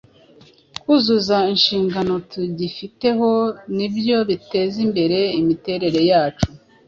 kuzuza inshingano tugifiteho ni byo biteza imbere imiterere yacu.